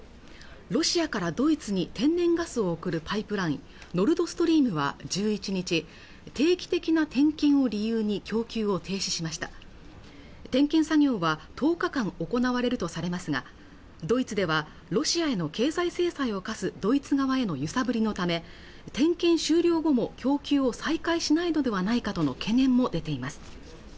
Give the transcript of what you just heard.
ロシアからドイツに天然ガスを送るパイプラインノルドストリームは１１日定期的な点検を理由に供給を停止しました点検作業は１０日間行われるとされますがドイツではロシアへの経済制裁を科すドイツ側への揺さぶりのため点検終了後も供給を再開しないのではないかとの懸念も出ています